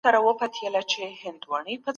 ټول خلګ د ژوند حق لري.